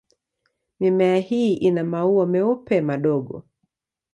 Mimea hii ina maua meupe madogo.